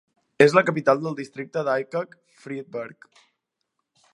És la capital del districte d'Aichach-Friedberg.